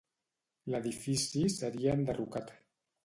L'edifici seria enderrocat.